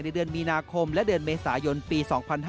เดือนมีนาคมและเดือนเมษายนปี๒๕๕๙